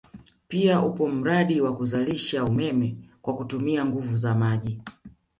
Pia upo mradi wa kuzalisha umeme wa kutumia nguvu za maji